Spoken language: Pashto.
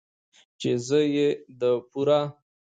،چې زه يې د پوره